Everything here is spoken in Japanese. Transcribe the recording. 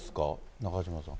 中島さん。